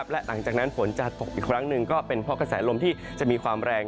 และหลังจากนั้นฝนจะตกอีกครั้งหนึ่งก็เป็นเพราะกระแสลมที่จะมีความแรง